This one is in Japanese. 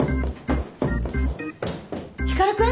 光くん！